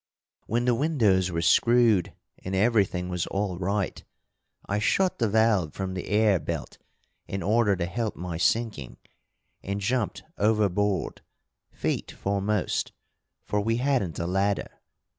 When the windows were screwed and everything was all right, I shut the valve from the air belt in order to help my sinking, and jumped overboard, feet foremost for we hadn't a ladder.